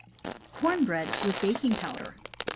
Corn Bread ivith Baking Powder.